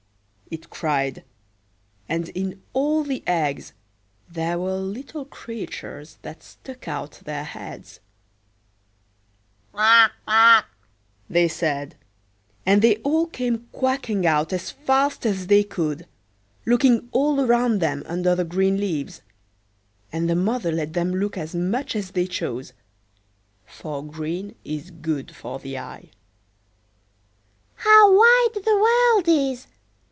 "Piep! Piep!" it cried, and in all the eggs there were little creatures that stuck out their heads."Quack! quack!" they said; and they all came quacking out as fast as they could, looking all around them under the green leaves; and the mother let them look as much as they chose, for green is good for the eye."How wide the world is!"